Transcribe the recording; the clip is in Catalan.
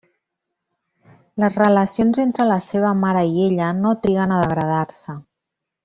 Les relacions entre la seva mare i ella no triguen a degradar-se.